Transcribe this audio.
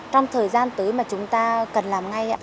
trong thời gian tới mà chúng ta cần làm ngay